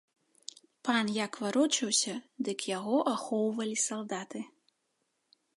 Пан як варочаўся, дык яго ахоўвалі салдаты.